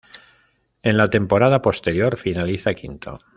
En la temporada posterior finaliza quinto.